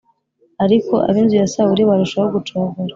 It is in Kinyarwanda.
ariko ab’inzu ya Sawuli barushaho gucogora.